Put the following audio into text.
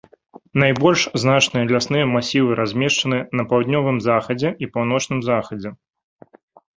Найбольш значныя лясныя масівы размешчаны на паўднёвым захадзе і паўночным захадзе.